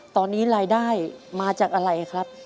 ตอนนี้รายได้มาจากอะไรครับ